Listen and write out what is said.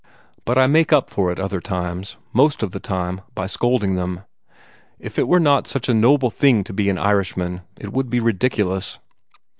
"But I make up for it other times most of the time by scolding them. If it were not such a noble thing to be an Irishman, it would be ridiculous."